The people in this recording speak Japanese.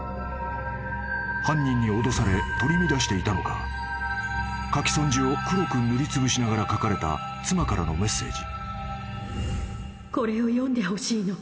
［犯人に脅され取り乱していたのか書き損じを黒く塗りつぶしながら書かれた妻からのメッセージ］